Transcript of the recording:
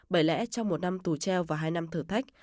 bởi lẽ trong một năm tù treo và hai năm thử thách